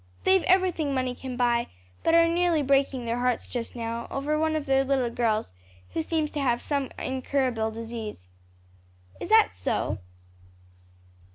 "They've everything money can buy, but are nearly breaking their hearts just now, over one of their little girls who seems to have some incurable disease." "Is that so?